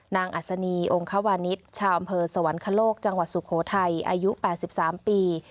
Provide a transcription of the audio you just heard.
อัศนีองควานิสชาวอำเภอสวรรคโลกจังหวัดสุโขทัยอายุ๘๓ปี